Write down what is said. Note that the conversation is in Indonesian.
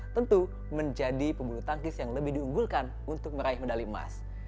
tentu menjadi pebulu tangkis yang lebih diunggulkan untuk meraih medali emas